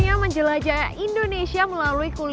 ini namanya menjelajah indonesia melalui kursus kuliner